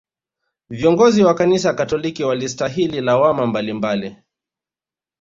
Viongozi wa kanisa katoliki walistahili lawama mbalimbali